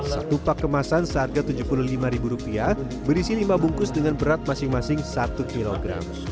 satu pak kemasan seharga rp tujuh puluh lima berisi lima bungkus dengan berat masing masing satu kg